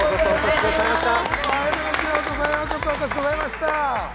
ようこそお越しくださいました。